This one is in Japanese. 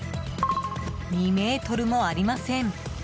２ｍもありません。